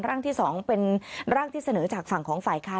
ร่างที่๒เป็นร่างที่เสนอจากฝั่งของฝ่ายค้าน